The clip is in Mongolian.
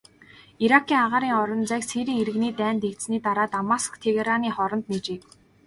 Иракийн агаарын орон зайг Сирийн иргэний дайн дэгдсэний дараа Дамаск-Тегераны хооронд нээжээ.